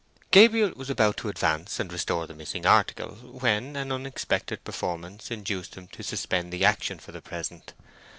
Gabriel was about to advance and restore the missing article when an unexpected performance induced him to suspend the action for the present.